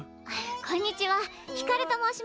こんにちはひかると申します。